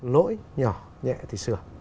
lỗi nhỏ nhẹ thì sửa